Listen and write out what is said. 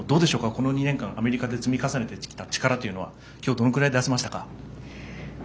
この２年間、アメリカで積み重ねてきた力というのは今日、どのくらい出せましたか？